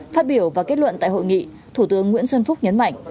phát biểu và kết luận tại hội nghị thủ tướng nguyễn xuân phúc nhấn mạnh